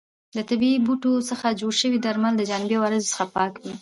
د طبیعي بوټو څخه جوړ شوي درمل د جانبي عوارضو څخه پاک وي.